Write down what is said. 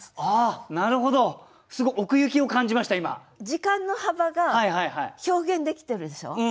時間の幅が表現できてるでしょ？